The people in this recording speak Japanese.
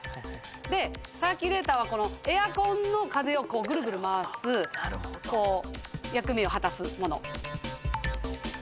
でサーキュレーターはエアコンの風をぐるぐる回すこう役目を果たす物。